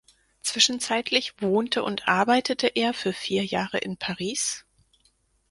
Zwischenzeitlich wohnte und arbeitete er für vier Jahre in Paris.